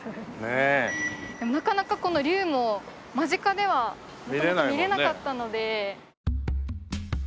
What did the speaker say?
なかなかこの龍も間近では元々見られなかったので。